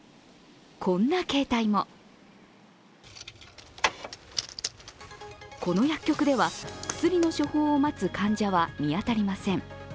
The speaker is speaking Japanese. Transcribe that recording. こんな形態もこの薬局では、薬の処方を待つ患者は見当たりません。